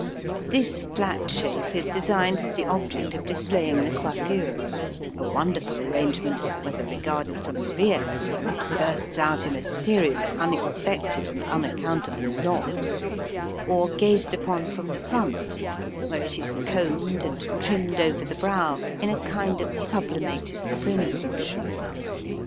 This flat shape is designed with the object of displaying the coiffure — a wonderful arrange ment, whether regarded from the rear, where it bursts out in a series of unexpected and unaccountable knobs, or gazed upon from the front, where it is combed and trimmed over the brow in a kind of sublimated fringe.